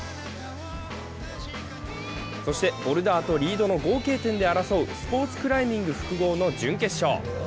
そしてボルダーとリードの合計点で争うスポーツクライミング複合の準決勝。